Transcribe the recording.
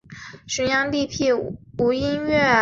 褐头凤鹛。